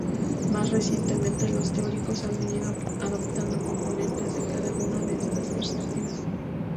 Más recientemente, los teóricos han venido adoptando componentes de cada una de estas perspectivas.